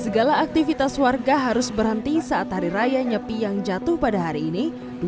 segala aktivitas warga harus berhenti saat hari raya nyepi yang jatuh pada hari ini